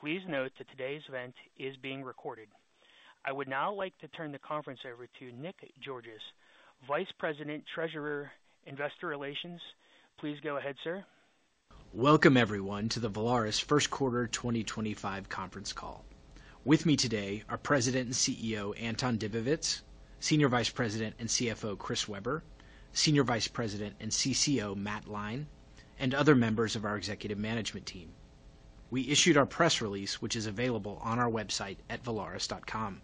Please note that today's event is being recorded. I would now like to turn the conference over to Nick Georgas, Vice President, Treasurer, Investor Relations. Please go ahead, sir. Welcome, everyone, to the Valaris First Quarter 2025 conference call. With me today are President and CEO Anton Dibowitz, Senior Vice President and CFO Chris Weber, Senior Vice President and CCO Matt Lyne, and other members of our executive management team. We issued our press release, which is available on our website at valaris.com.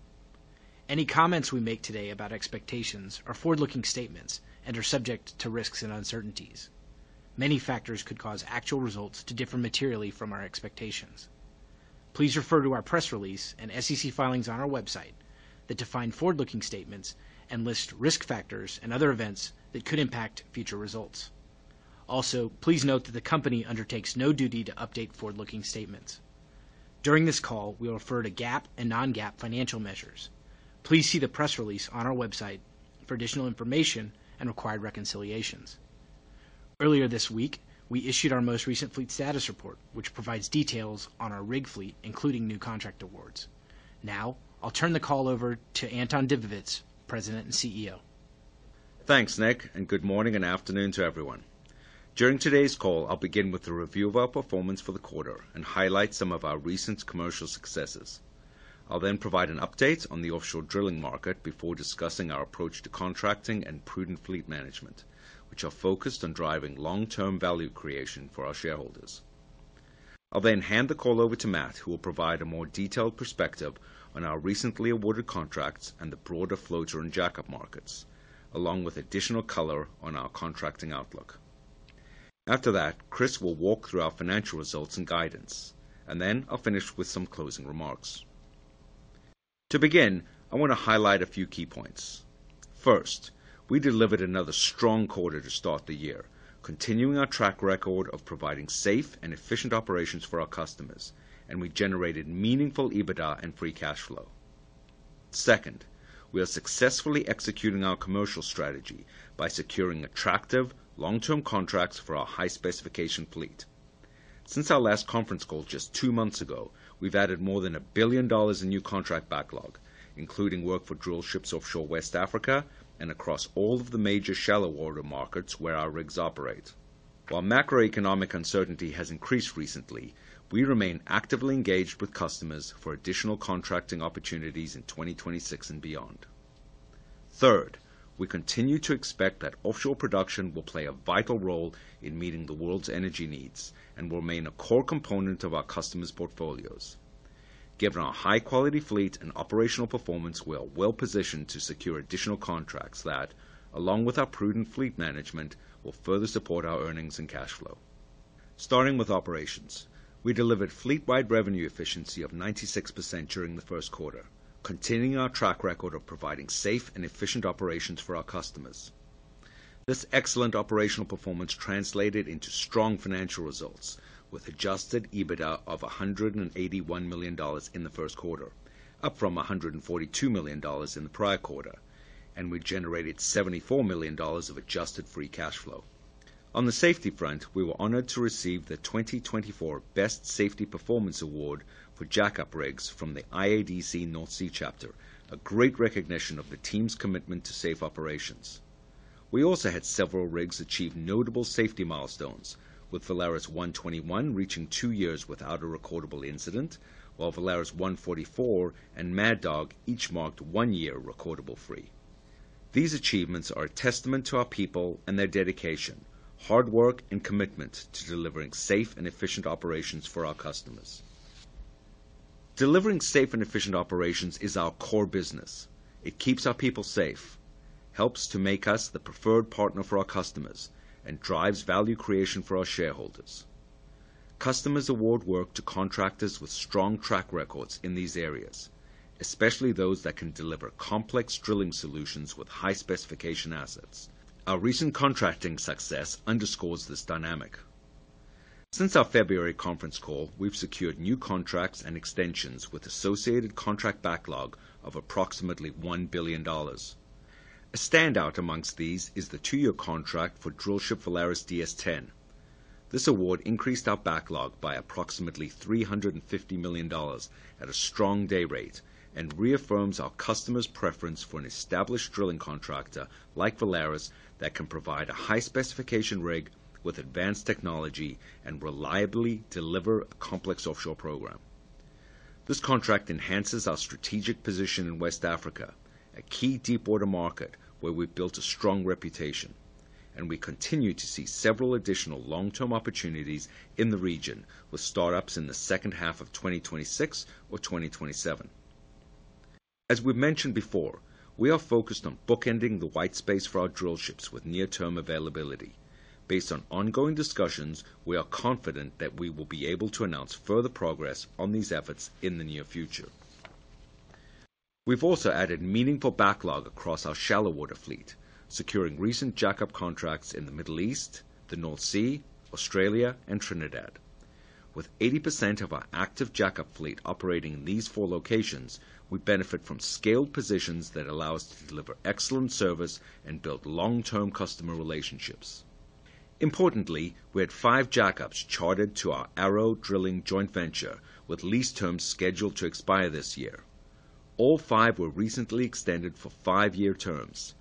Any comments we make today about expectations are forward-looking statements and are subject to risks and uncertainties. Many factors could cause actual results to differ materially from our expectations. Please refer to our press release and SEC filings on our website that define forward-looking statements and list risk factors and other events that could impact future results. Also, please note that the company undertakes no duty to update forward-looking statements. During this call, we'll refer to GAAP and non-GAAP financial measures. Please see the press release on our website for additional information and required reconciliations. Earlier this week, we issued our most recent fleet status report, which provides details on our rig fleet, including new contract awards. Now, I'll turn the call over to Anton Dibowitz, President and CEO. Thanks, Nick, and good morning and afternoon to everyone. During today's call, I'll begin with a review of our performance for the quarter and highlight some of our recent commercial successes. I'll then provide an update on the offshore drilling market before discussing our approach to contracting and prudent fleet management, which are focused on driving long-term value creation for our shareholders. I'll then hand the call over to Matt, who will provide a more detailed perspective on our recently awarded contracts and the broader floater and jack-up markets, along with additional color on our contracting outlook. After that, Chris will walk through our financial results and guidance, and then I'll finish with some closing remarks. To begin, I want to highlight a few key points. First, we delivered another strong quarter to start the year, continuing our track record of providing safe and efficient operations for our customers, and we generated meaningful EBITDA and free cash flow. Second, we are successfully executing our commercial strategy by securing attractive, long-term contracts for our high-specification fleet. Since our last conference call just two months ago, we've added more than $1 billion in new contract backlog, including work for drill ships offshore West Africa and across all of the major shallow water markets where our rigs operate. While macroeconomic uncertainty has increased recently, we remain actively engaged with customers for additional contracting opportunities in 2026 and beyond. Third, we continue to expect that offshore production will play a vital role in meeting the world's energy needs and will remain a core component of our customers' portfolios. Given our high-quality fleet and operational performance, we are well-positioned to secure additional contracts that, along with our prudent fleet management, will further support our earnings and cash flow. Starting with operations, we delivered fleet-wide revenue efficiency of 96% during the first quarter, continuing our track record of providing safe and efficient operations for our customers. This excellent operational performance translated into strong financial results, with adjusted EBITDA of $181 million in the first quarter, up from $142 million in the prior quarter, and we generated $74 million of adjusted free cash flow. On the safety front, we were honored to receive the 2024 Best Safety Performance Award for jack-up rigs from the IADC North Sea chapter, a great recognition of the team's commitment to safe operations. We also had several rigs achieve notable safety milestones, with Valaris 121 reaching two years without a recordable incident, while Valaris 144 and Valaris Mad Dog each marked one year recordable free. These achievements are a testament to our people and their dedication, hard work, and commitment to delivering safe and efficient operations for our customers. Delivering safe and efficient operations is our core business. It keeps our people safe, helps to make us the preferred partner for our customers, and drives value creation for our shareholders. Customers award work to contractors with strong track records in these areas, especially those that can deliver complex drilling solutions with high-specification assets. Our recent contracting success underscores this dynamic. Since our February conference call, we've secured new contracts and extensions with associated contract backlog of approximately $1 billion. A standout amongst these is the two-year contract for drill ship Valaris DS-10. This award increased our backlog by approximately $350 million at a strong day rate and reaffirms our customers' preference for an established drilling contractor like Valaris that can provide a high-specification rig with advanced technology and reliably deliver a complex offshore program. This contract enhances our strategic position in West Africa, a key deep-water market where we've built a strong reputation, and we continue to see several additional long-term opportunities in the region with startups in the second half of 2026 or 2027. As we've mentioned before, we are focused on bookending the white space for our drill ships with near-term availability. Based on ongoing discussions, we are confident that we will be able to announce further progress on these efforts in the near future. We've also added meaningful backlog across our shallow water fleet, securing recent jack-up contracts in the Middle East, the North Sea, Australia, and Trinidad. With 80% of our active jack-up fleet operating in these four locations, we benefit from scaled positions that allow us to deliver excellent service and build long-term customer relationships. Importantly, we had five jack-ups chartered to our ARO Drilling Joint Venture, with lease terms scheduled to expire this year. All five were recently extended for five-year terms.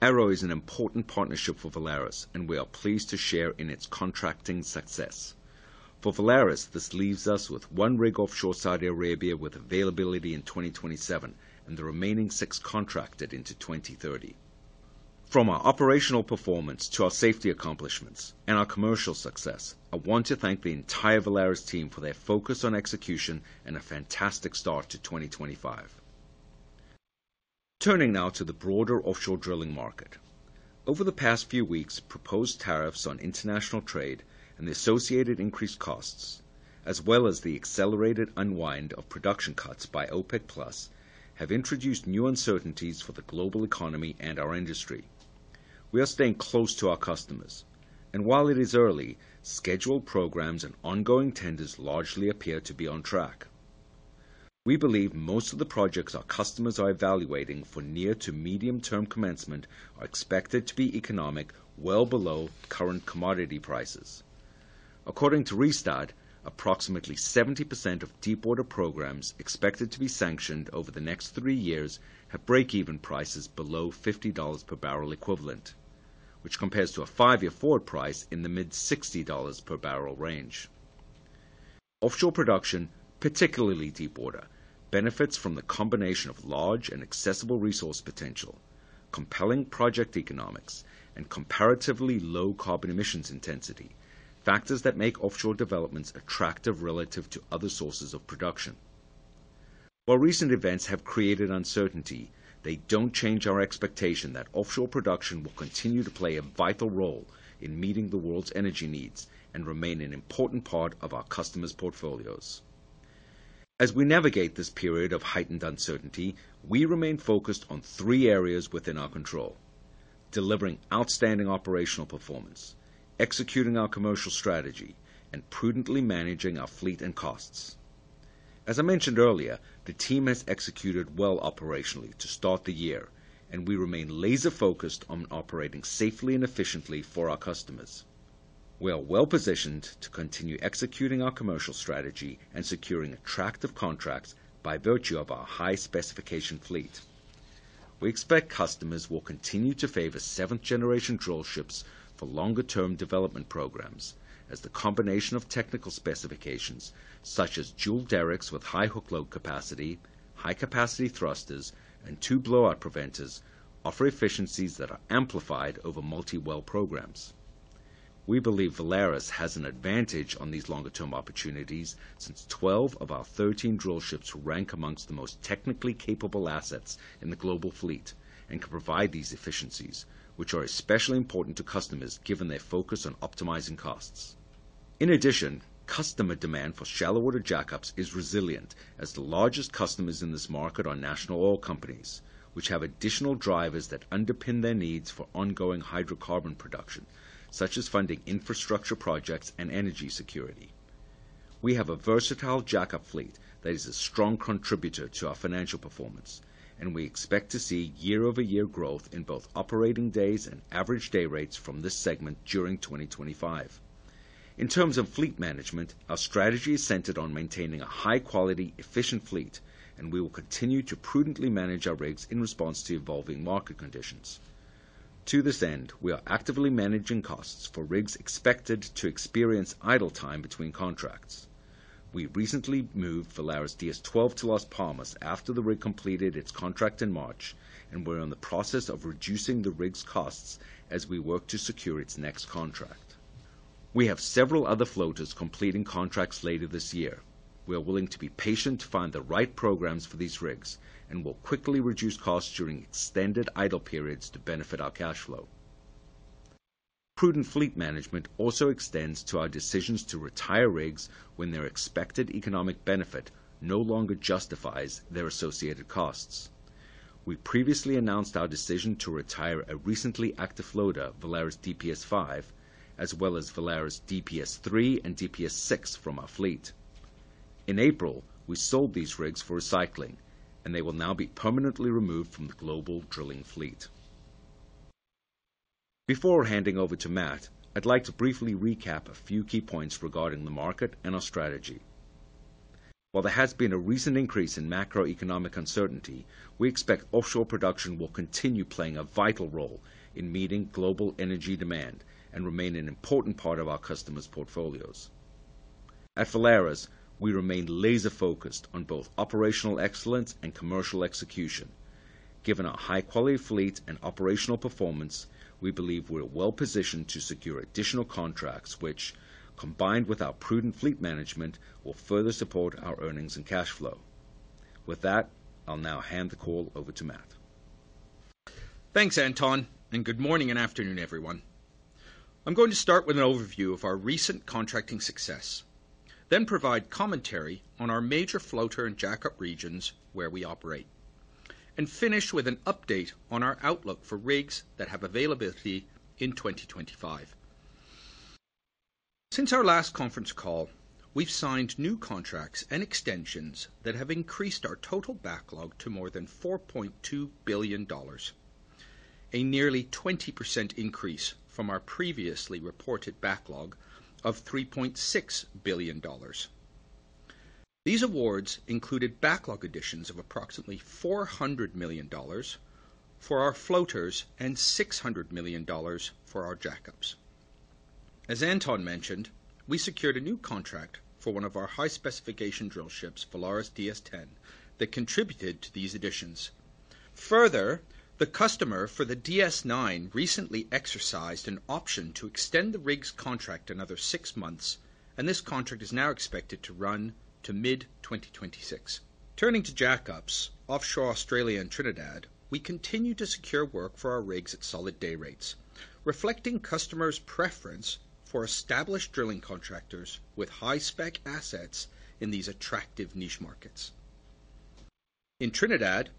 ARO is an important partnership for Valaris, and we are pleased to share in its contracting success. For Valaris, this leaves us with one rig offshore Saudi Arabia with availability in 2027, and the remaining six contracted into 2030. From our operational performance to our safety accomplishments and our commercial success, I want to thank the entire Valaris team for their focus on execution and a fantastic start to 2025. Turning now to the broader offshore drilling market. Over the past few weeks, proposed tariffs on international trade and the associated increased costs, as well as the accelerated unwind of production cuts by OPEC+, have introduced new uncertainties for the global economy and our industry. We are staying close to our customers, and while it is early, scheduled programs and ongoing tenders largely appear to be on track. We believe most of the projects our customers are evaluating for near to medium-term commencement are expected to be economic well below current commodity prices. According to Rystad, approximately 70% of deep-water programs expected to be sanctioned over the next three years have break-even prices below $50 per barrel equivalent, which compares to a five-year forward price in the mid-$60 per barrel range. Offshore production, particularly deep water, benefits from the combination of large and accessible resource potential, compelling project economics, and comparatively low carbon emissions intensity, factors that make offshore developments attractive relative to other sources of production. While recent events have created uncertainty, they don't change our expectation that offshore production will continue to play a vital role in meeting the world's energy needs and remain an important part of our customers' portfolios. As we navigate this period of heightened uncertainty, we remain focused on three areas within our control: delivering outstanding operational performance, executing our commercial strategy, and prudently managing our fleet and costs. As I mentioned earlier, the team has executed well operationally to start the year, and we remain laser-focused on operating safely and efficiently for our customers. We are well-positioned to continue executing our commercial strategy and securing attractive contracts by virtue of our high-specification fleet. We expect customers will continue to favor seventh-generation drill ships for longer-term development programs, as the combination of technical specifications, such as dual derricks with high hook load capacity, high-capacity thrusters, and two blowout preventers, offers efficiencies that are amplified over multi-well programs. We believe Valaris has an advantage on these longer-term opportunities since 12 of our 13 drill ships rank amongst the most technically capable assets in the global fleet and can provide these efficiencies, which are especially important to customers given their focus on optimizing costs. In addition, customer demand for shallow water jack-ups is resilient, as the largest customers in this market are national oil companies, which have additional drivers that underpin their needs for ongoing hydrocarbon production, such as funding infrastructure projects and energy security. We have a versatile jack-up fleet that is a strong contributor to our financial performance, and we expect to see year-over-year growth in both operating days and average day rates from this segment during 2025. In terms of fleet management, our strategy is centered on maintaining a high-quality, efficient fleet, and we will continue to prudently manage our rigs in response to evolving market conditions. To this end, we are actively managing costs for rigs expected to experience idle time between contracts. We recently moved Valaris DS-12 to Las Palmas after the rig completed its contract in March, and we're in the process of reducing the rig's costs as we work to secure its next contract. We have several other floaters completing contracts later this year. We are willing to be patient to find the right programs for these rigs and will quickly reduce costs during extended idle periods to benefit our cash flow. Prudent fleet management also extends to our decisions to retire rigs when their expected economic benefit no longer justifies their associated costs. We previously announced our decision to retire a recently active floater, Valaris DPS-5, as well as Valaris DPS-3 and DPS-6 from our fleet. In April, we sold these rigs for recycling, and they will now be permanently removed from the global drilling fleet. Before handing over to Matt, I'd like to briefly recap a few key points regarding the market and our strategy. While there has been a recent increase in macroeconomic uncertainty, we expect offshore production will continue playing a vital role in meeting global energy demand and remain an important part of our customers' portfolios. At Valaris, we remain laser-focused on both operational excellence and commercial execution. Given our high-quality fleet and operational performance, we believe we're well-positioned to secure additional contracts which, combined with our prudent fleet management, will further support our earnings and cash flow. With that, I'll now hand the call over to Matt. Thanks, Anton, and good morning and afternoon, everyone. I'm going to start with an overview of our recent contracting success, then provide commentary on our major floater and jack-up regions where we operate, and finish with an update on our outlook for rigs that have availability in 2025. Since our last conference call, we've signed new contracts and extensions that have increased our total backlog to more than $4.2 billion, a nearly 20% increase from our previously reported backlog of $3.6 billion. These awards included backlog additions of approximately $400 million for our floaters and $600 million for our jack-ups. As Anton mentioned, we secured a new contract for one of our high-specification drill ships, Valaris DS-10, that contributed to these additions. Further, the customer for the DS-9 recently exercised an option to extend the rig's contract another six months, and this contract is now expected to run to mid-2026. Turning to jack-ups, offshore Australia and Trinidad, we continue to secure work for our rigs at solid day rates, reflecting customers' preference for established drilling contractors with high-spec assets in these attractive niche markets. In Trinidad,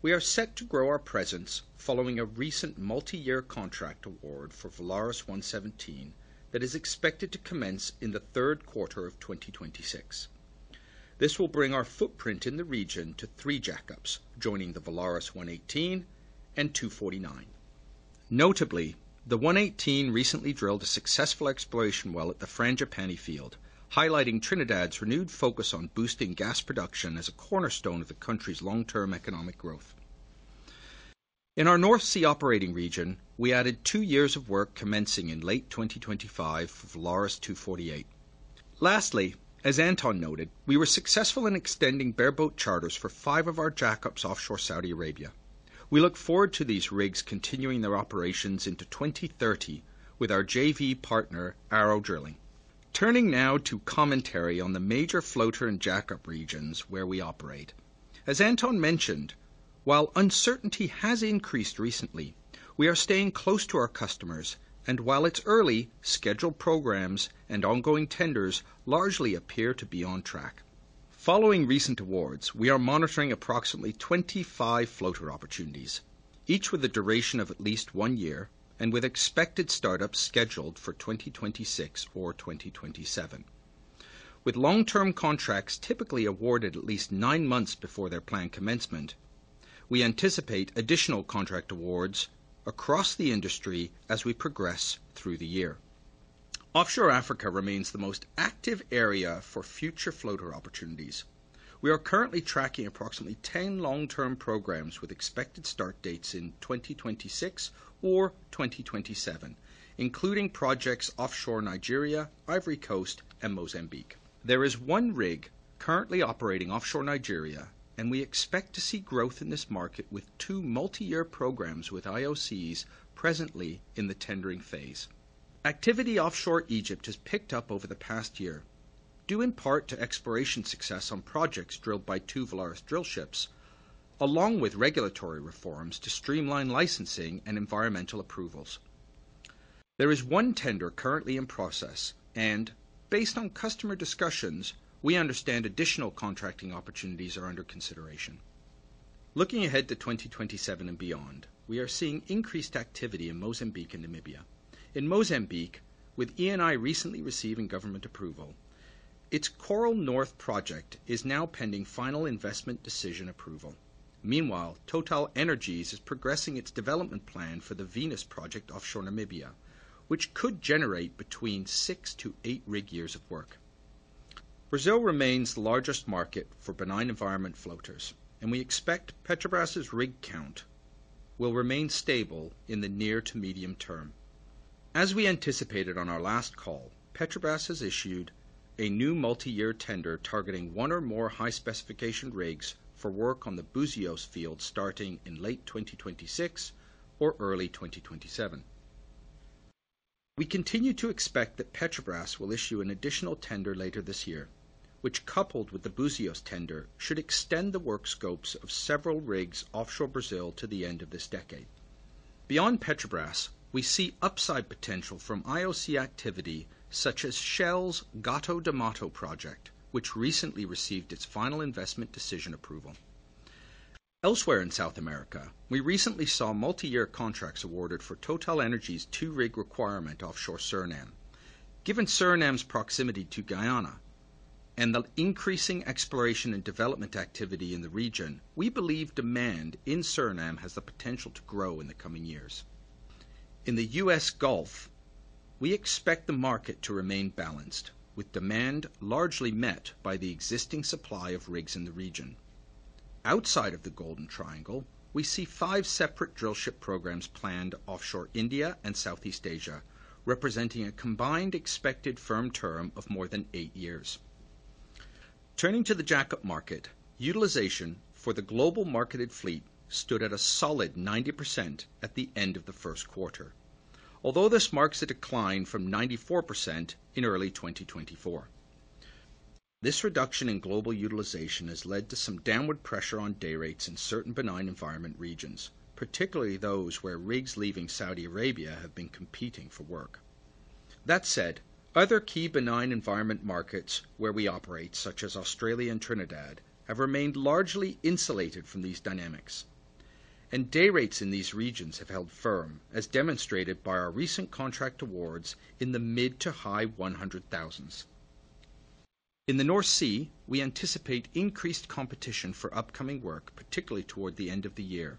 we are set to grow our presence following a recent multi-year contract award for Valaris 117 that is expected to commence in the third quarter of 2026. This will bring our footprint in the region to three jack-ups joining the Valaris 118 and 249. Notably, the 118 recently drilled a successful exploration well at the Frangipani Panny field, highlighting Trinidad's renewed focus on boosting gas production as a cornerstone of the country's long-term economic growth. In our North Sea operating region, we added two years of work commencing in late 2025 for Valaris 248. Lastly, as Anton noted, we were successful in extending bareboat charters for five of our jack-ups offshore Saudi Arabia. We look forward to these rigs continuing their operations into 2030 with our JV partner, ARO Drilling. Turning now to commentary on the major floater and jack-up regions where we operate. As Anton mentioned, while uncertainty has increased recently, we are staying close to our customers, and while it's early, scheduled programs and ongoing tenders largely appear to be on track. Following recent awards, we are monitoring approximately 25 floater opportunities, each with a duration of at least one year and with expected startups scheduled for 2026 or 2027. With long-term contracts typically awarded at least nine months before their planned commencement, we anticipate additional contract awards across the industry as we progress through the year. Offshore Africa remains the most active area for future floater opportunities. We are currently tracking approximately 10 long-term programs with expected start dates in 2026 or 2027, including projects offshore Nigeria, Ivory Coast, and Mozambique. There is one rig currently operating offshore Nigeria, and we expect to see growth in this market with two multi-year programs with IOCs presently in the tendering phase. Activity offshore Egypt has picked up over the past year, due in part to exploration success on projects drilled by two Valaris drill ships, along with regulatory reforms to streamline licensing and environmental approvals. There is one tender currently in process, and based on customer discussions, we understand additional contracting opportunities are under consideration. Looking ahead to 2027 and beyond, we are seeing increased activity in Mozambique and Namibia. In Mozambique, with Eni recently receiving government approval, its Coral North project is now pending final investment decision approval. Meanwhile, TotalEnergies is progressing its development plan for the Venus project offshore Namibia, which could generate between six to eight rig years of work. Brazil remains the largest market for benign environment floaters, and we expect Petrobras's rig count will remain stable in the near to medium term. As we anticipated on our last call, Petrobras has issued a new multi-year tender targeting one or more high-specification rigs for work on the Buzios field starting in late 2026 or early 2027. We continue to expect that Petrobras will issue an additional tender later this year, which, coupled with the Buzios tender, should extend the work scopes of several rigs offshore Brazil to the end of this decade. Beyond Petrobras, we see upside potential from IOC activity such as Shell's Gato do Mato project, which recently received its final investment decision approval. Elsewhere in South America, we recently saw multi-year contracts awarded for TotalEnergies' two-rig requirement offshore Suriname. Given Suriname's proximity to Guyana and the increasing exploration and development activity in the region, we believe demand in Suriname has the potential to grow in the coming years. In the US Gulf, we expect the market to remain balanced, with demand largely met by the existing supply of rigs in the region. Outside of the Golden Triangle, we see five separate drill ship programs planned offshore India and Southeast Asia, representing a combined expected firm term of more than eight years. Turning to the jack-up market, utilization for the global marketed fleet stood at a solid 90% at the end of the first quarter, although this marks a decline from 94% in early 2024. This reduction in global utilization has led to some downward pressure on day rates in certain benign environment regions, particularly those where rigs leaving Saudi Arabia have been competing for work. That said, other key benign environment markets where we operate, such as Australia and Trinidad, have remained largely insulated from these dynamics, and day rates in these regions have held firm, as demonstrated by our recent contract awards in the mid to high $100,000s. In the North Sea, we anticipate increased competition for upcoming work, particularly toward the end of the year,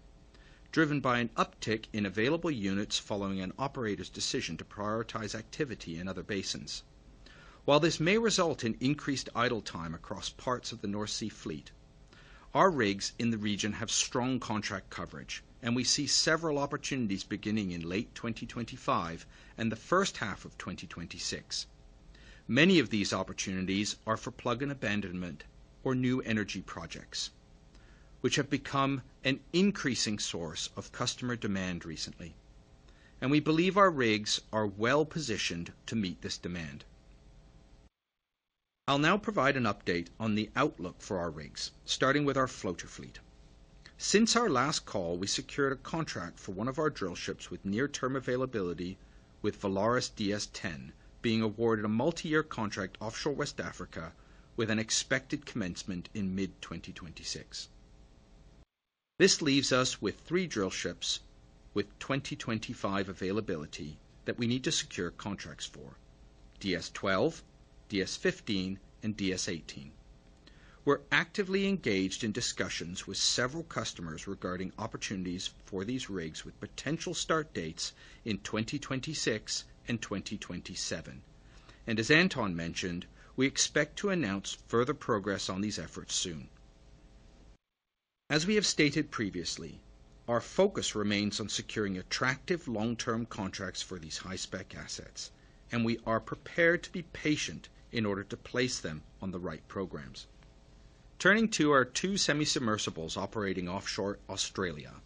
driven by an uptick in available units following an operator's decision to prioritize activity in other basins. While this may result in increased idle time across parts of the North Sea fleet, our rigs in the region have strong contract coverage, and we see several opportunities beginning in late 2025 and the first half of 2026. Many of these opportunities are for plug and abandonment or new energy projects, which have become an increasing source of customer demand recently, and we believe our rigs are well-positioned to meet this demand. I'll now provide an update on the outlook for our rigs, starting with our floater fleet. Since our last call, we secured a contract for one of our drill ships with near-term availability, with Valaris DS-10 being awarded a multi-year contract offshore West Africa with an expected commencement in mid-2026. This leaves us with three drill ships with 2025 availability that we need to secure contracts for: DS-12, DS-15, and DS-18. We're actively engaged in discussions with several customers regarding opportunities for these rigs with potential start dates in 2026 and 2027, and as Anton mentioned, we expect to announce further progress on these efforts soon. As we have stated previously, our focus remains on securing attractive long-term contracts for these high-spec assets, and we are prepared to be patient in order to place them on the right programs. Turning to our two semi-submersibles operating offshore Australia,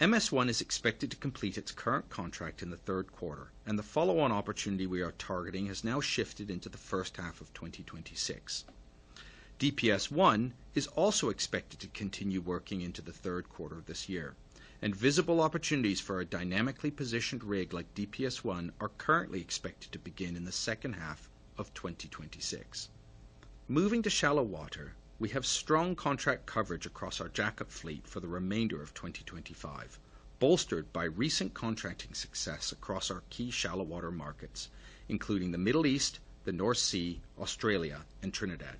MS1 is expected to complete its current contract in the third quarter, and the follow-on opportunity we are targeting has now shifted into the first half of 2026. DPS1 is also expected to continue working into the third quarter of this year, and visible opportunities for a dynamically positioned rig like DPS1 are currently expected to begin in the second half of 2026. Moving to shallow water, we have strong contract coverage across our jack-up fleet for the remainder of 2025, bolstered by recent contracting success across our key shallow water markets, including the Middle East, the North Sea, Australia, and Trinidad.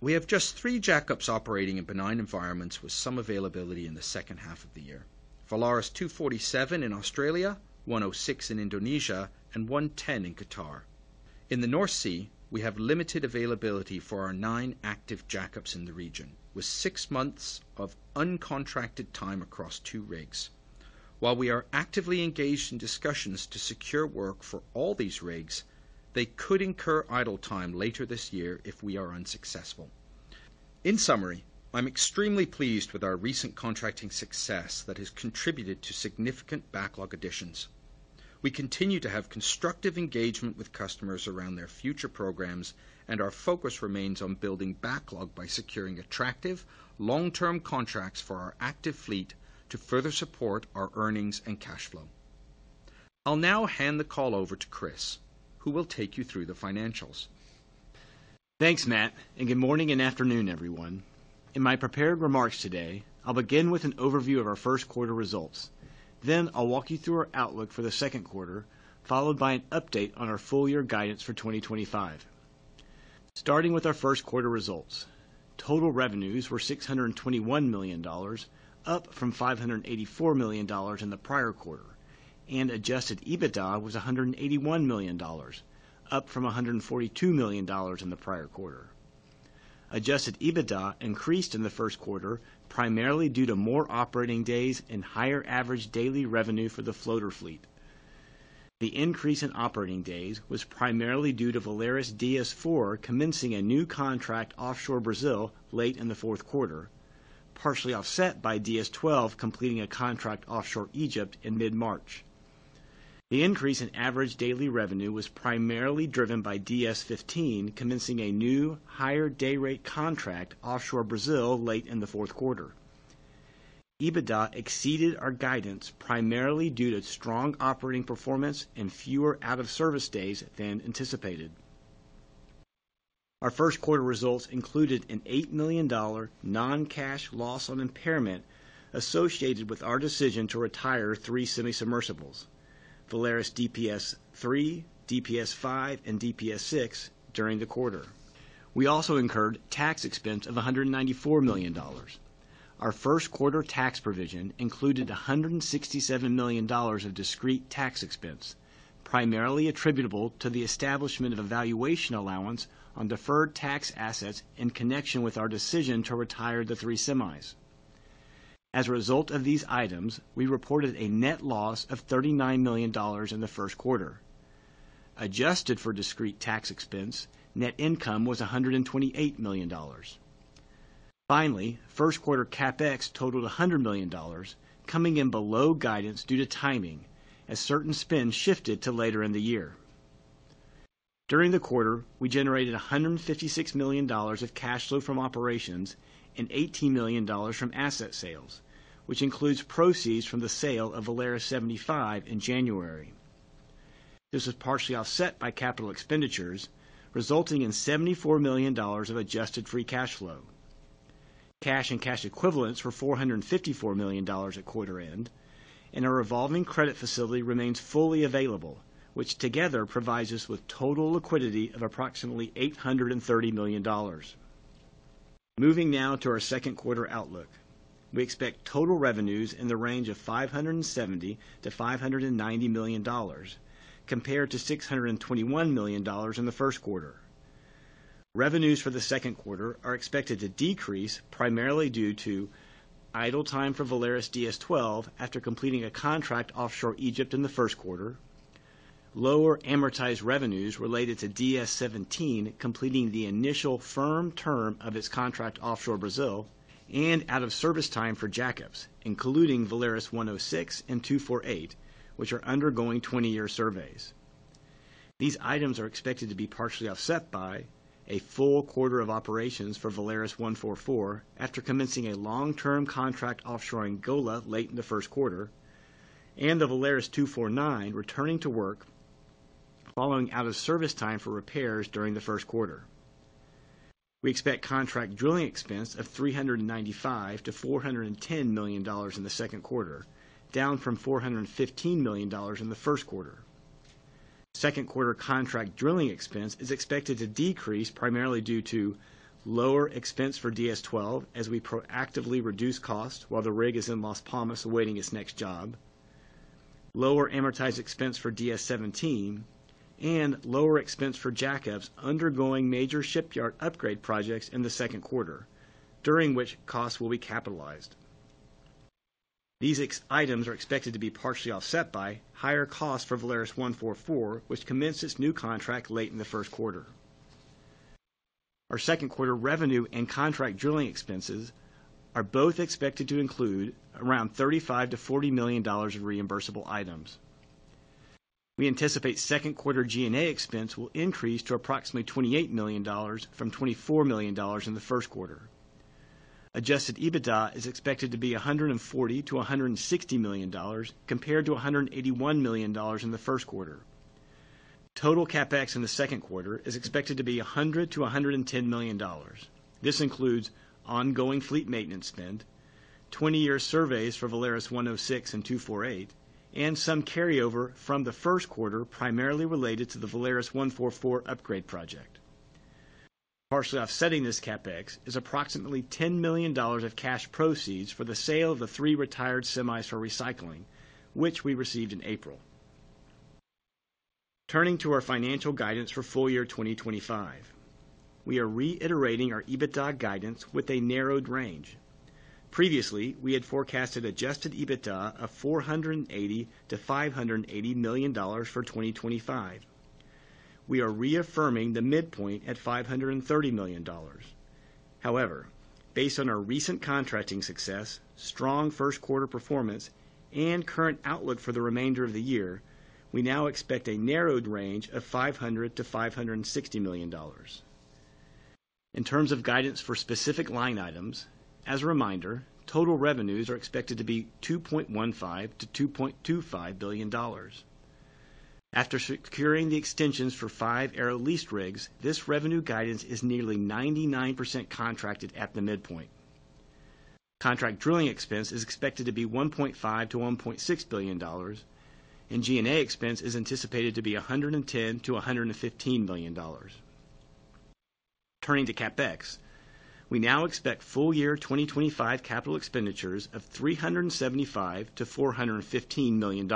We have just three jack-ups operating in benign environments with some availability in the second half of the year: Valaris 247 in Australia, 106 in Indonesia, and 110 in Qatar. In the North Sea, we have limited availability for our nine active jack-ups in the region, with six months of uncontracted time across two rigs. While we are actively engaged in discussions to secure work for all these rigs, they could incur idle time later this year if we are unsuccessful. In summary, I'm extremely pleased with our recent contracting success that has contributed to significant backlog additions. We continue to have constructive engagement with customers around their future programs, and our focus remains on building backlog by securing attractive, long-term contracts for our active fleet to further support our earnings and cash flow. I'll now hand the call over to Chris, who will take you through the financials. Thanks, Matt, and good morning and afternoon, everyone. In my prepared remarks today, I'll begin with an overview of our first quarter results. Then I'll walk you through our outlook for the second quarter, followed by an update on our full-year guidance for 2025. Starting with our first quarter results, total revenues were $621 million, up from $584 million in the prior quarter, and adjusted EBITDA was $181 million, up from $142 million in the prior quarter. Adjusted EBITDA increased in the first quarter, primarily due to more operating days and higher average daily revenue for the floater fleet. The increase in operating days was primarily due to Valaris DS-4 commencing a new contract offshore Brazil late in the fourth quarter, partially offset by DS-12 completing a contract offshore Egypt in mid-March. The increase in average daily revenue was primarily driven by DS-15 commencing a new, higher day rate contract offshore Brazil late in the fourth quarter. EBITDA exceeded our guidance primarily due to strong operating performance and fewer out-of-service days than anticipated. Our first quarter results included an $8 million non-cash loss on impairment associated with our decision to retire three semi-submersibles: Valaris DPS-3, DPS-5, and DPS-6 during the quarter. We also incurred tax expense of $194 million. Our first quarter tax provision included $167 million of discrete tax expense, primarily attributable to the establishment of a valuation allowance on deferred tax assets in connection with our decision to retire the three semis. As a result of these items, we reported a net loss of $39 million in the first quarter. Adjusted for discrete tax expense, net income was $128 million. Finally, first quarter CapEx totaled $100 million, coming in below guidance due to timing as certain spends shifted to later in the year. During the quarter, we generated $156 million of cash flow from operations and $18 million from asset sales, which includes proceeds from the sale of Valaris 75 in January. This was partially offset by capital expenditures, resulting in $74 million of adjusted free cash flow. Cash and cash equivalents were $454 million at quarter end, and our revolving credit facility remains fully available, which together provides us with total liquidity of approximately $830 million. Moving now to our second quarter outlook, we expect total revenues in the range of $570-$590 million, compared to $621 million in the first quarter. Revenues for the second quarter are expected to decrease primarily due to idle time for Valaris DS-12 after completing a contract offshore Egypt in the first quarter, lower amortized revenues related to DS-17 completing the initial firm term of its contract offshore Brazil, and out-of-service time for jack-ups, including Valaris 106 and 248, which are undergoing 20-year surveys. These items are expected to be partially offset by a full quarter of operations for Valaris 144 after commencing a long-term contract offshore Angola late in the first quarter, and the Valaris 249 returning to work following out-of-service time for repairs during the first quarter. We expect contract drilling expense of $395-$410 million in the second quarter, down from $415 million in the first quarter. Second quarter contract drilling expense is expected to decrease primarily due to lower expense for Valaris DS-12 as we proactively reduce costs while the rig is in Las Palmas awaiting its next job, lower amortized expense for Valaris DS-17, and lower expense for jack-ups undergoing major shipyard upgrade projects in the second quarter, during which costs will be capitalized. These items are expected to be partially offset by higher costs for Valaris 144, which commenced its new contract late in the first quarter. Our second quarter revenue and contract drilling expenses are both expected to include around $35-$40 million of reimbursable items. We anticipate second quarter G&A expense will increase to approximately $28 million from $24 million in the first quarter. Adjusted EBITDA is expected to be $140-$160 million, compared to $181 million in the first quarter. Total capex in the second quarter is expected to be $100-$110 million. This includes ongoing fleet maintenance spend, 20-year surveys for Valaris 106 and 248, and some carryover from the first quarter primarily related to the Valaris 144 upgrade project. Partially offsetting this capex is approximately $10 million of cash proceeds for the sale of the three retired semis for recycling, which we received in April. Turning to our financial guidance for full year 2025, we are reiterating our EBITDA guidance with a narrowed range. Previously, we had forecasted adjusted EBITDA of $480-$580 million for 2025. We are reaffirming the midpoint at $530 million. However, based on our recent contracting success, strong first quarter performance, and current outlook for the remainder of the year, we now expect a narrowed range of $500-$560 million. In terms of guidance for specific line items, as a reminder, total revenues are expected to be $2.15 billion-$2.25 billion. After securing the extensions for five Arrow Lease rigs, this revenue guidance is nearly 99% contracted at the midpoint. Contract drilling expense is expected to be $1.5 billion-$1.6 billion, and G&A expense is anticipated to be $110 million-$115 million. Turning to capex, we now expect full year 2025 capital expenditures of $375 million-$415 million.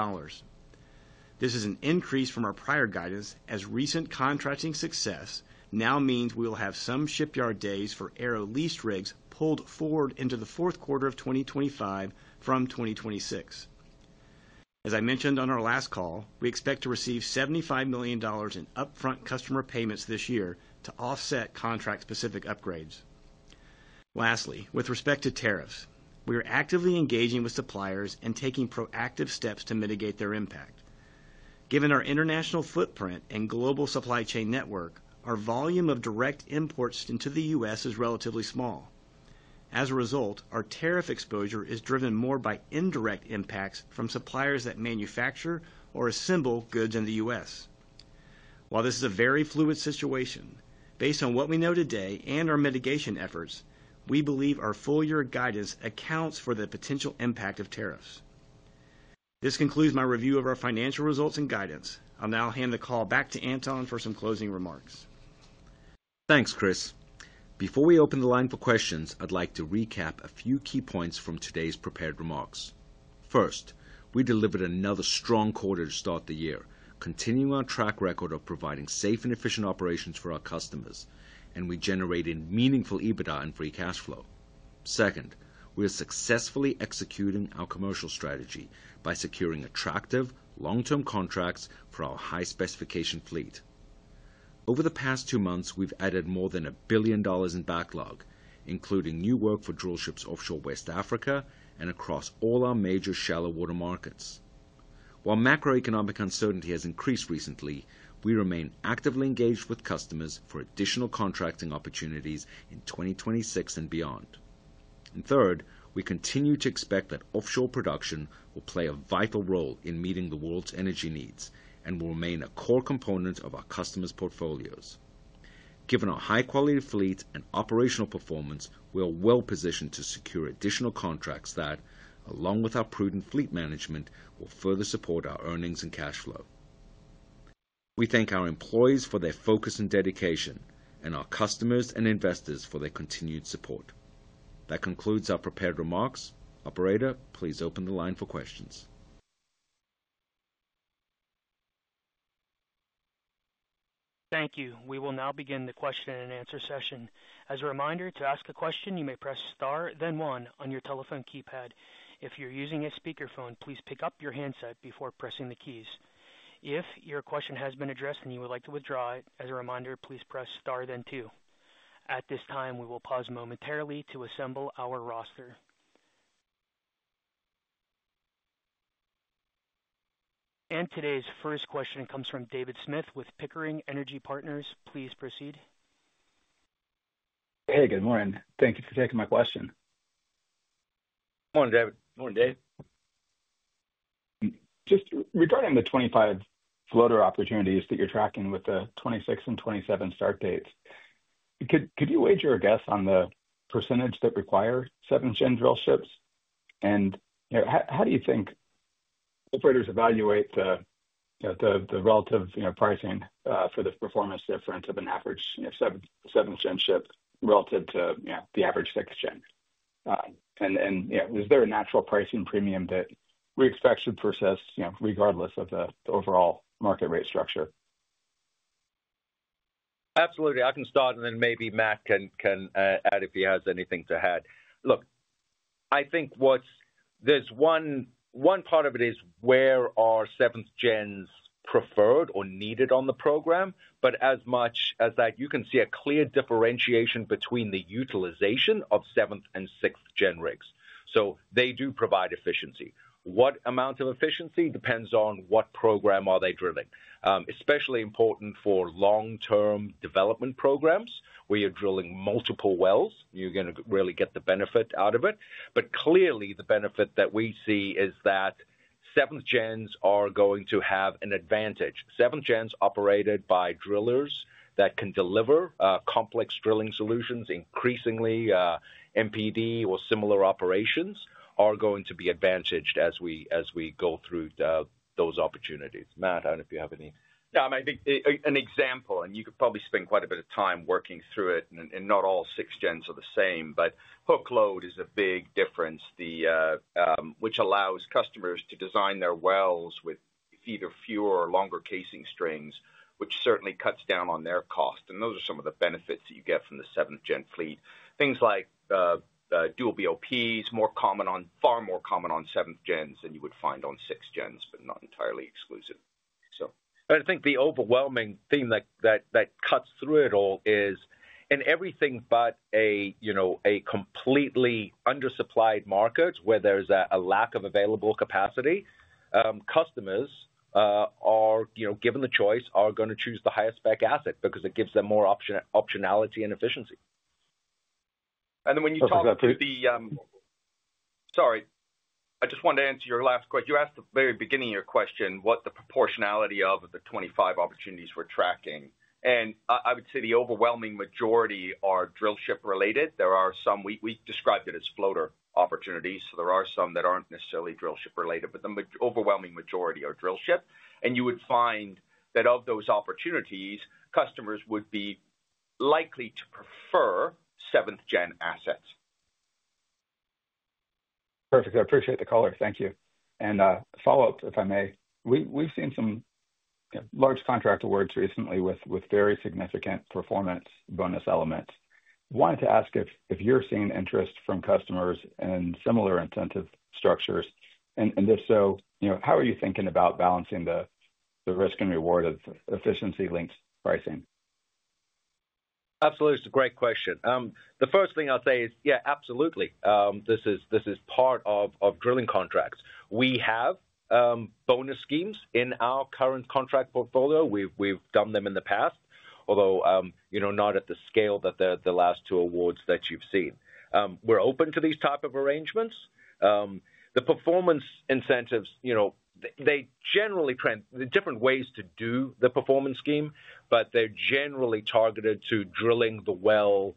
This is an increase from our prior guidance, as recent contracting success now means we will have some shipyard days for Arrow Lease rigs pulled forward into the fourth quarter of 2025 from 2026. As I mentioned on our last call, we expect to receive $75 million in upfront customer payments this year to offset contract-specific upgrades. Lastly, with respect to tariffs, we are actively engaging with suppliers and taking proactive steps to mitigate their impact. Given our international footprint and global supply chain network, our volume of direct imports into the U.S. is relatively small. As a result, our tariff exposure is driven more by indirect impacts from suppliers that manufacture or assemble goods in the U.S. While this is a very fluid situation, based on what we know today and our mitigation efforts, we believe our full-year guidance accounts for the potential impact of tariffs. This concludes my review of our financial results and guidance. I'll now hand the call back to Anton for some closing remarks. Thanks, Chris. Before we open the line for questions, I'd like to recap a few key points from today's prepared remarks. First, we delivered another strong quarter to start the year, continuing our track record of providing safe and efficient operations for our customers, and we generated meaningful EBITDA and free cash flow. Second, we are successfully executing our commercial strategy by securing attractive, long-term contracts for our high-specification fleet. Over the past two months, we've added more than $1 billion in backlog, including new work for drill ships offshore West Africa and across all our major shallow water markets. While macroeconomic uncertainty has increased recently, we remain actively engaged with customers for additional contracting opportunities in 2026 and beyond. Third, we continue to expect that offshore production will play a vital role in meeting the world's energy needs and will remain a core component of our customers' portfolios. Given our high-quality fleet and operational performance, we are well positioned to secure additional contracts that, along with our prudent fleet management, will further support our earnings and cash flow. We thank our employees for their focus and dedication, and our customers and investors for their continued support. That concludes our prepared remarks. Operator, please open the line for questions. Thank you. We will now begin the question and answer session. As a reminder, to ask a question, you may press Star, then one, on your telephone keypad. If you're using a speakerphone, please pick up your handset before pressing the keys. If your question has been addressed and you would like to withdraw, as a reminder, please press Star, then two. At this time, we will pause momentarily to assemble our roster. Today's first question comes from David Smith with Pickering Energy Partners. Please proceed. Hey, good morning. Thank you for taking my question. Morning, David. Morning, Dave. Just regarding the 25 floater opportunities that you're tracking with the 2026 and 2027 start dates, could you wager a guess on the percentage that require seven-gen drill ships? How do you think operators evaluate the relative pricing for the performance difference of an average seven-gen ship relative to the average six-gen? Is there a natural pricing premium that we expect should persist regardless of the overall market rate structure? Absolutely. I can start, and then maybe Matt can add if he has anything to add. Look, I think there's one part of it is where are seventh-gens preferred or needed on the program, but as much as that, you can see a clear differentiation between the utilization of seventh and sixth-gen rigs. They do provide efficiency. What amount of efficiency depends on what program are they drilling. Especially important for long-term development programs where you're drilling multiple wells, you're going to really get the benefit out of it. Clearly, the benefit that we see is that seventh-gens are going to have an advantage. Seventh-gens operated by drillers that can deliver complex drilling solutions, increasingly MPD or similar operations, are going to be advantaged as we go through those opportunities. Matt, I don't know if you have any. No, I think an example, and you could probably spend quite a bit of time working through it, and not all six-gens are the same, but hook load is a big difference, which allows customers to design their wells with either fewer or longer casing strings, which certainly cuts down on their cost. Those are some of the benefits that you get from the seventh-gen fleet. Things like dual BOPs, far more common on seventh-gens than you would find on six-gens, but not entirely exclusive. I think the overwhelming theme that cuts through it all is, in everything but a completely undersupplied market where there's a lack of available capacity, customers, given the choice, are going to choose the highest-spec asset because it gives them more optionality and efficiency. When you talk about the—sorry, I just wanted to answer your last question. You asked at the very beginning of your question what the proportionality of the 25 opportunities we're tracking. I would say the overwhelming majority are drill ship-related. There are some—we described it as floater opportunities. There are some that aren't necessarily drill ship-related, but the overwhelming majority are drill ship. You would find that of those opportunities, customers would be likely to prefer seventh-gen assets. Perfect. I appreciate the color. Thank you. A follow-up, if I may. We've seen some large contract awards recently with very significant performance bonus elements. I wanted to ask if you're seeing interest from customers in similar incentive structures. If so, how are you thinking about balancing the risk and reward of efficiency-linked pricing? Absolutely. It's a great question. The first thing I'll say is, yeah, absolutely. This is part of drilling contracts. We have bonus schemes in our current contract portfolio. We've done them in the past, although not at the scale that the last two awards that you've seen. We're open to these types of arrangements. The performance incentives, they generally trend—there are different ways to do the performance scheme, but they're generally targeted to drilling the well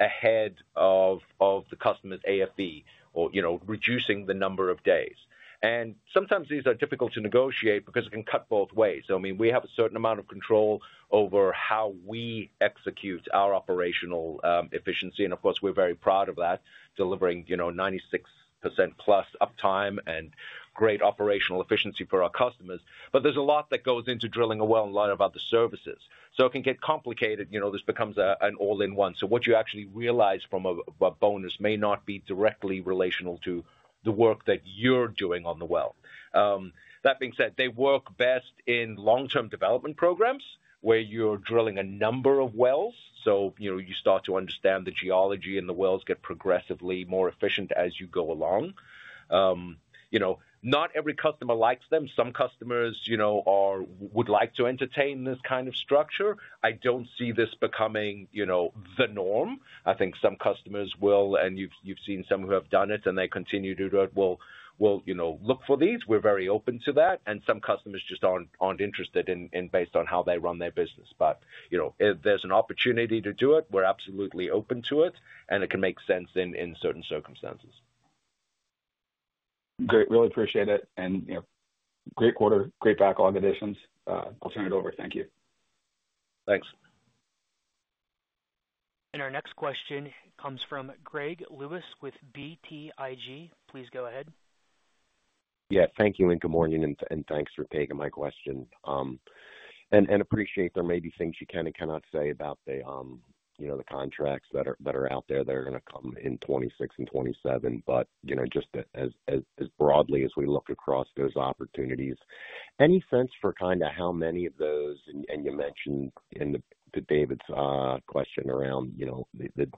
ahead of the customer's AFE or reducing the number of days. Sometimes these are difficult to negotiate because it can cut both ways. I mean, we have a certain amount of control over how we execute our operational efficiency. Of course, we're very proud of that, delivering 96% plus uptime and great operational efficiency for our customers. There is a lot that goes into drilling a well and a lot of other services. It can get complicated. This becomes an all-in-one. What you actually realize from a bonus may not be directly relational to the work that you're doing on the well. That being said, they work best in long-term development programs where you're drilling a number of wells. You start to understand the geology, and the wells get progressively more efficient as you go along. Not every customer likes them. Some customers would like to entertain this kind of structure. I do not see this becoming the norm. I think some customers will, and you have seen some who have done it, and they continue to do it, will look for these. We are very open to that. Some customers just are not interested based on how they run their business. If there is an opportunity to do it, we are absolutely open to it, and it can make sense in certain circumstances. Great. Really appreciate it. Great quarter, great backlog additions. We will turn it over. Thank you. Thanks. Our next question comes from Greg Lewis with BTIG. Please go ahead. Yeah. Thank you, and good morning, and thanks for taking my question. I appreciate there may be things you can and cannot say about the contracts that are out there that are going to come in 2026 and 2027, but just as broadly as we look across those opportunities, any sense for kind of how many of those—and you mentioned in David's question around the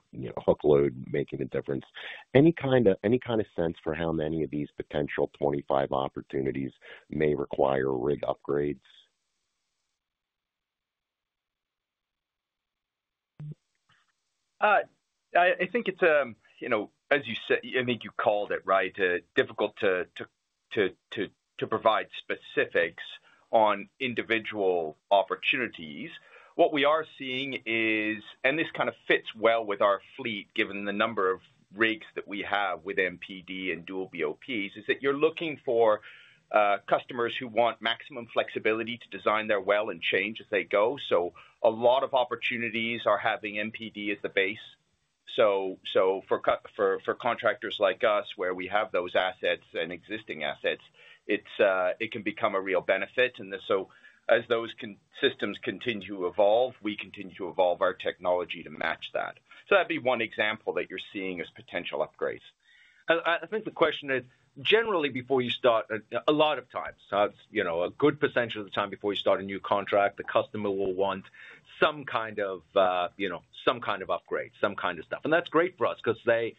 hook load making a difference—any kind of sense for how many of these potential 25 opportunities may require rig upgrades? I think it's, as you said, I think you called it right, difficult to provide specifics on individual opportunities. What we are seeing is—this kind of fits well with our fleet given the number of rigs that we have with MPD and dual BOPs—is that you're looking for customers who want maximum flexibility to design their well and change as they go. A lot of opportunities are having MPD as the base. For contractors like us, where we have those assets and existing assets, it can become a real benefit. As those systems continue to evolve, we continue to evolve our technology to match that. That would be one example that you're seeing as potential upgrades. I think the question is, generally, before you start, a lot of times, a good percentage of the time before you start a new contract, the customer will want some kind of upgrade, some kind of stuff. That's great for us because they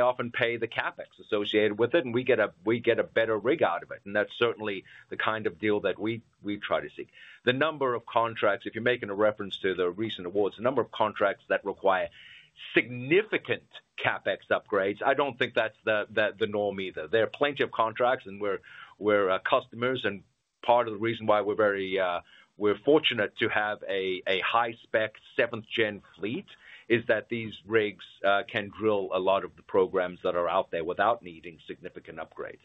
often pay the CapEx associated with it, and we get a better rig out of it. That's certainly the kind of deal that we try to seek. The number of contracts, if you're making a reference to the recent awards, the number of contracts that require significant CapEx upgrades, I don't think that's the norm either. There are plenty of contracts, and we're customers. Part of the reason why we're fortunate to have a high-spec seventh-gen fleet is that these rigs can drill a lot of the programs that are out there without needing significant upgrades.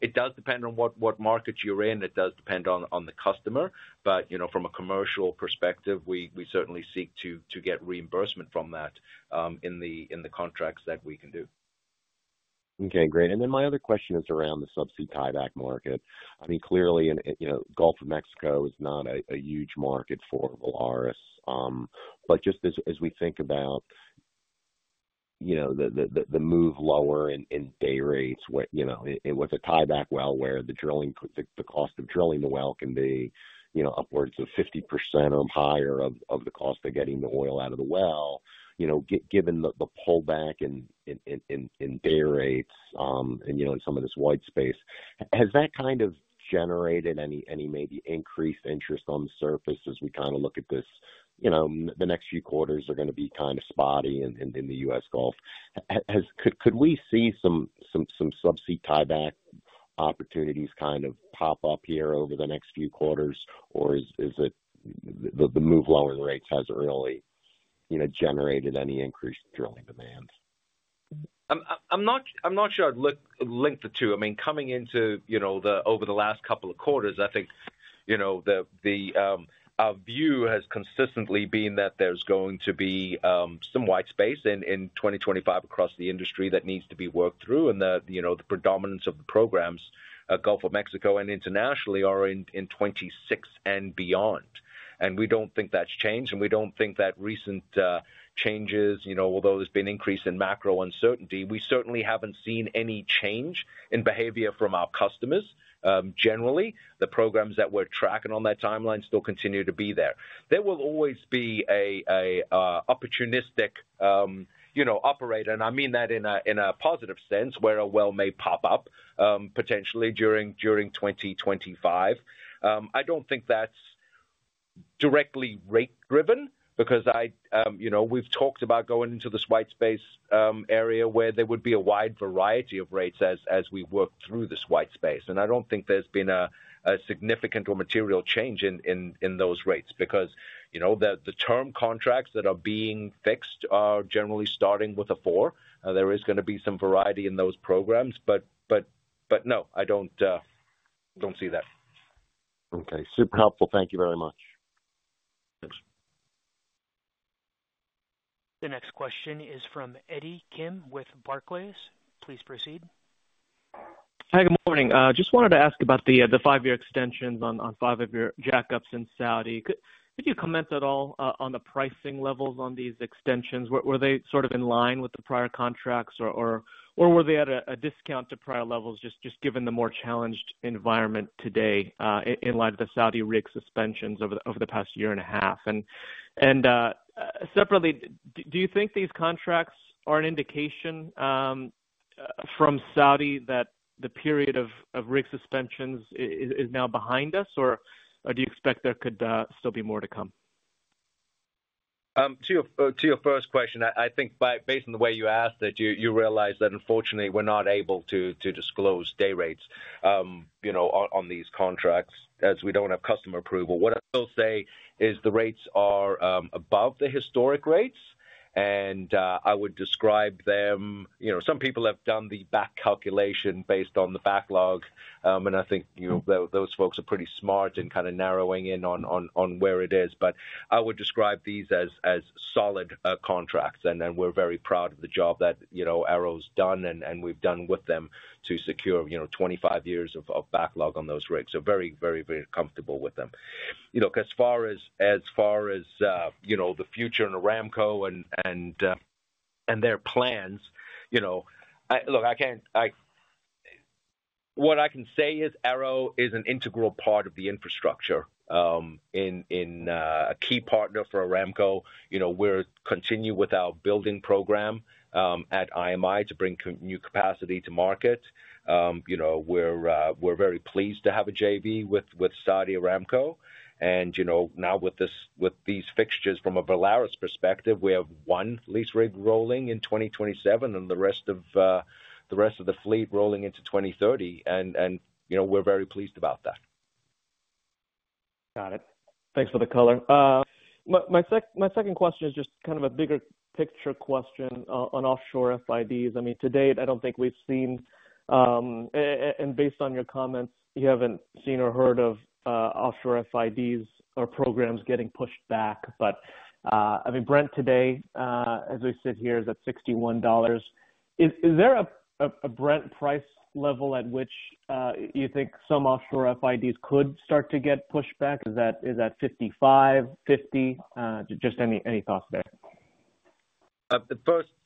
It does depend on what market you're in. It does depend on the customer. From a commercial perspective, we certainly seek to get reimbursement from that in the contracts that we can do. Okay. Great. My other question is around the subsea tieback market. I mean, clearly, Gulf of Mexico is not a huge market for Valaris. Just as we think about the move lower in day rates, with a tieback well where the cost of drilling the well can be upwards of 50% or higher of the cost of getting the oil out of the well, given the pullback in day rates and some of this white space, has that kind of generated any maybe increased interest on the surface as we kind of look at this? The next few quarters are going to be kind of spotty in the U.S. Gulf. Could we see some subsea tieback opportunities kind of pop up here over the next few quarters, or is it the move lower in rates has really generated any increased drilling demand? I'm not sure I'd link the two. I mean, coming into over the last couple of quarters, I think the view has consistently been that there's going to be some white space in 2025 across the industry that needs to be worked through. The predominance of the programs, Gulf of Mexico and internationally, are in 2026 and beyond. We don't think that's changed. We don't think that recent changes, although there's been an increase in macro uncertainty, we certainly haven't seen any change in behavior from our customers. Generally, the programs that we're tracking on that timeline still continue to be there. There will always be an opportunistic operator. I mean that in a positive sense where a well may pop up potentially during 2025. I don't think that's directly rate-driven because we've talked about going into this white space area where there would be a wide variety of rates as we work through this white space. I don't think there's been a significant or material change in those rates because the term contracts that are being fixed are generally starting with a four. There is going to be some variety in those programs. No, I don't see that. Okay. Super helpful. Thank you very much. The next question is from Eddie Kim with Barclays. Please proceed. Hi. Good morning. Just wanted to ask about the five-year extensions on five of your jackups in Saudi. Could you comment at all on the pricing levels on these extensions? Were they sort of in line with the prior contracts, or were they at a discount to prior levels, just given the more challenged environment today in light of the Saudi rig suspensions over the past year and a half? Separately, do you think these contracts are an indication from Saudi that the period of rig suspensions is now behind us, or do you expect there could still be more to come? To your first question, I think based on the way you asked it, you realize that, unfortunately, we're not able to disclose day rates on these contracts as we don't have customer approval. What I will say is the rates are above the historic rates, and I would describe them—some people have done the back calculation based on the backlog. I think those folks are pretty smart in kind of narrowing in on where it is. I would describe these as solid contracts, and we're very proud of the job that Arrow's done and we've done with them to secure 25 years of backlog on those rigs. Very, very, very comfortable with them. As far as the future and Aramco and their plans, look, what I can say is Arrow is an integral part of the infrastructure. A key partner for Aramco. We're continuing with our building program at IMI to bring new capacity to market. We're very pleased to have a JV with Saudi Aramco. Now, with these fixtures from a Valaris perspective, we have one lease rig rolling in 2027 and the rest of the fleet rolling into 2030. We're very pleased about that. Got it. Thanks for the color. My second question is just kind of a bigger picture question on offshore FIDs. I mean, to date, I do not think we have seen—and based on your comment, you have not seen or heard of offshore FIDs or programs getting pushed back. I mean, Brent today, as we sit here, is at $61. Is there a Brent price level at which you think some offshore FIDs could start to get pushed back? Is that 55, 50? Just any thoughts there?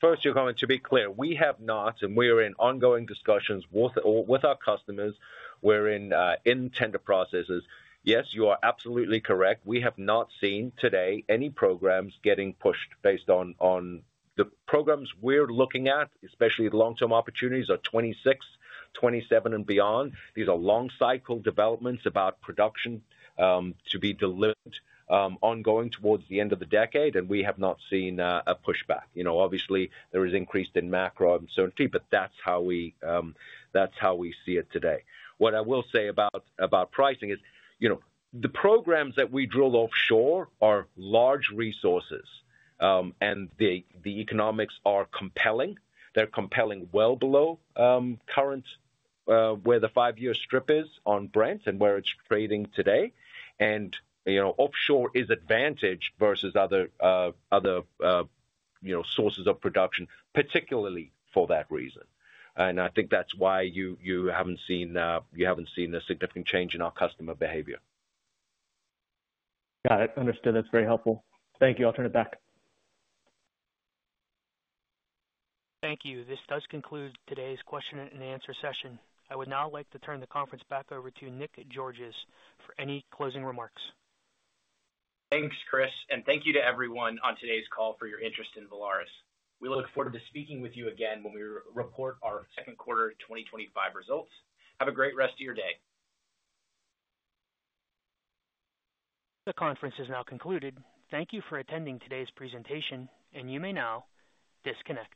First, your comment, to be clear, we have not, and we are in ongoing discussions with our customers. We are in tender processes. Yes, you are absolutely correct. We have not seen today any programs getting pushed based on the programs we are looking at, especially the long-term opportunities, are 2026, 2027, and beyond. These are long-cycle developments about production to be delivered ongoing towards the end of the decade, and we have not seen a pushback. Obviously, there is increased in macro uncertainty, but that's how we see it today. What I will say about pricing is the programs that we drill offshore are large resources, and the economics are compelling. They're compelling well below current where the five-year strip is on Brent and where it's trading today. Offshore is advantage versus other sources of production, particularly for that reason. I think that's why you haven't seen a significant change in our customer behavior. Got it. Understood. That's very helpful. Thank you. I'll turn it back. Thank you. This does conclude today's question and answer session. I would now like to turn the conference back over to Nick Georgas for any closing remarks. Thanks, Chris. Thank you to everyone on today's call for your interest in Valaris. We look forward to speaking with you again when we report our second quarter 2025 results. Have a great rest of your day. The conference is now concluded. Thank you for attending today's presentation, and you may now disconnect.